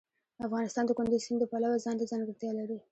افغانستان د کندز سیند د پلوه ځانته ځانګړتیا لري.